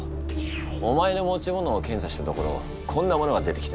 お前の持ち物を検査したところこんなものが出てきた。